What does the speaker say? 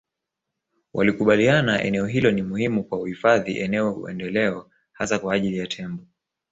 walikubaliana eneo hilo ni muhimu kwa uhifadhi eneo endeleo hasa kwa ajili ya tembo